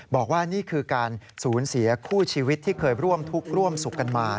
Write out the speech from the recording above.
บอกว่านี่คือการสูญเสียคู่ชีวิตที่เคยร่วมทุกข์ร่วมสุขกันมา